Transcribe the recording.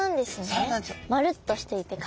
そうなんです。